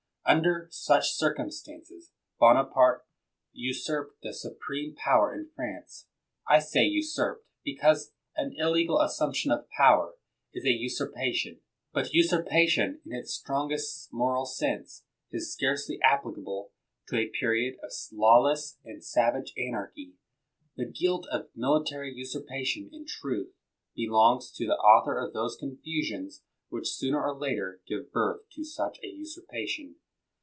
Under such circumstances, Bonaparte usurped the supreme power in France. I say usurped, because an illegal assumption of power is a usurpation. But usurpation, in its strongest moral sense, is scarcely applicable to a period of lawless and savage anarchy. The guilt of military usurpation, in truth, belongs to the author of those confusions which sooner or later give birth to such a usurpation.